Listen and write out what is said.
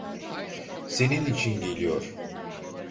Senin için geliyor.